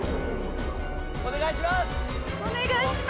お願いします。